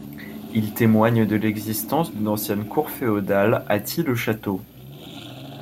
Il témoigne de l'existence d'une ancienne cour féodale à Thy-le-Château.